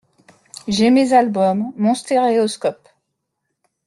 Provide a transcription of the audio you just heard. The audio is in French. J’ai mes albums, mon stéréoscope…